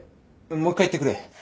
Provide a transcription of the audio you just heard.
もう一回言ってくれ。